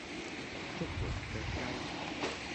捉黃腳雞